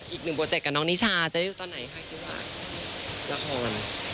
อีกหนึ่งโปรเจ็คกับน้องนิชาจะได้รู้ตอนไหนให้ด้วยว่าระคร